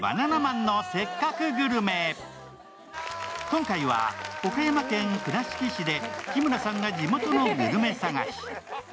今回は岡山県倉敷市で日村さんが地元のグルメ探し。